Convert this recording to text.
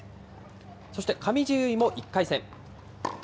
そして上地結衣も１回戦。